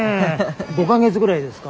５か月ぐらいですか？